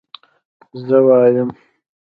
زه وايم